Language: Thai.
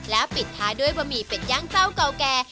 ปิดท้ายด้วยบะหมี่เป็ดย่างเจ้าเก่าแก่